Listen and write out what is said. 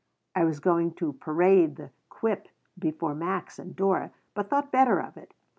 I was going to parade the "quip" before Max and Dora, but thought better of it.